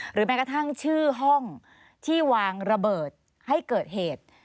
แม้กระทั่งชื่อห้องที่วางระเบิดให้เกิดเหตุ